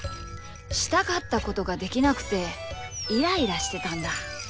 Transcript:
したかったことができなくてイライラしてたんだ。